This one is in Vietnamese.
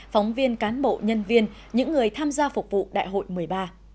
phóng viên cán bộ nhân viên những người tham gia phục vụ đại hội một mươi ba